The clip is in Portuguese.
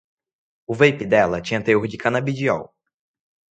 O vape dela tinha teor de canabidiol